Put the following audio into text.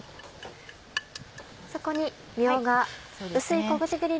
そこにみょうが。